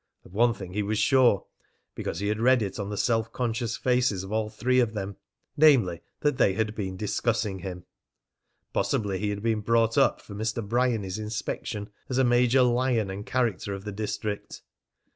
Of one thing he was sure, because he had read it on the self conscious faces of all three of them, namely, that they had been discussing him. Possibly he had been brought up for Mr. Bryany's inspection as a major lion and character of the district.